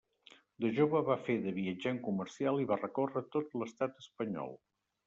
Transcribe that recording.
De jove va fer de viatjant comercial i va recórrer tot l'estat espanyol.